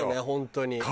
本当に。